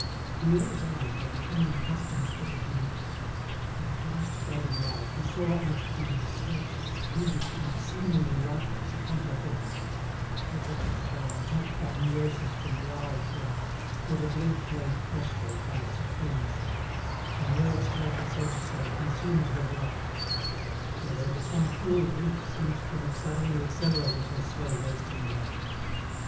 Pierre's eyes were becoming accustomed to the dimness. In the fast fading light he saw aunt Dide stretched, rigid and seemingly lifeless, upon her bed. Her wretched frame, attacked by neurosis from the hour of birth, was at length laid prostrate by a supreme shock. Her nerves had so to say consumed her blood. Moreover some cruel grief seemed to have suddenly accelerated her slow wasting away.